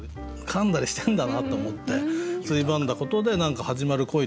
かんだりしてんだなと思ってついばんだことで何か始まる恋とかあんのかなとかね。